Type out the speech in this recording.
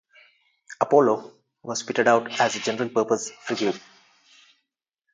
"Apollo" was fitted out as a general purpose frigate.